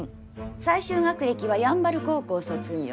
最終学歴は山原高校卒業。